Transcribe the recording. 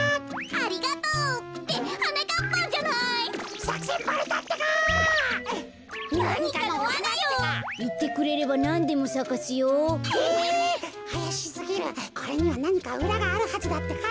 あやしすぎるこれにはなにかうらがあるはずだってか。